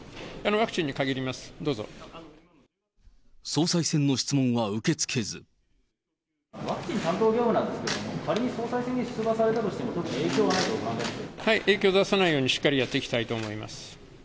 ワクチン担当業務なんですけれども、仮に総裁選に出馬されたとしても、はい、影響出さないようにしっかりやっていきたいと思います。